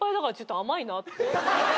「甘い」って。